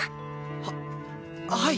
ははい！